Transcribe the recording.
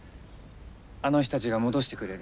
あの人たちが戻してくれる。